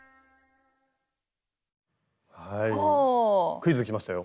クイズきましたよ。